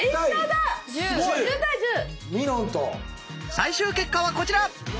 最終結果はこちら！